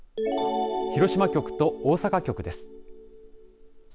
広島局と大阪局です。